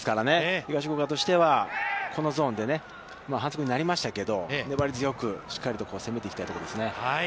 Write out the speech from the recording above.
東福岡としてはこのゾーンでね、反則になりましたけど、粘り強くしっかりと攻めていきたいところですね。